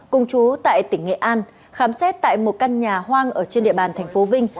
công chú tại tỉnh nghệ an khám xét tại một căn nhà hoang trên địa bàn thành phố vinh